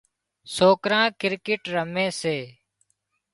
سوڪرا ڪرڪيٽ رمي سي